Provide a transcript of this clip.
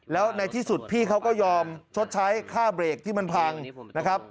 แล้วในที่สุดพี่เขาก็ยอมชดใช้ค่าเบรกที่มันพังนะครับ